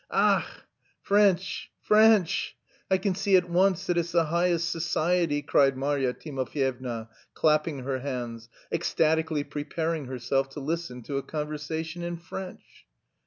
"Ach! French! French! I can see at once that it's the highest society," cried Marya Timofyevna, clapping her hands, ecstatically preparing herself to listen to a conversation in French.